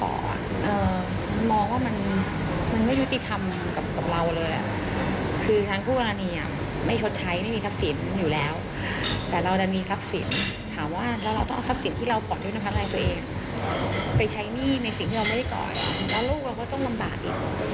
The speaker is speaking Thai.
แล้วลูกเราก็ต้องลำบากอีก